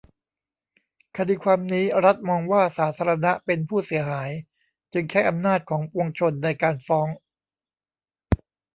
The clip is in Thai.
คดีความนี้รัฐมองว่าสาธารณะเป็นผู้เสียหาย จึงใช้อำนาจของปวงชนในการฟ้อง